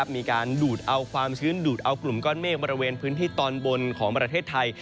มีการดูดเอาความชื้นดูดเอากลุ่มก้อนเมฆบริเวณพื้นที่ตอนบนของประเทศไทย